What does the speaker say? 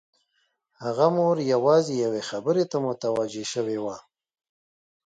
د هغه مور یوازې یوې خبرې ته متوجه شوې وه